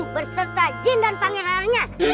berserta jin dan pangerannya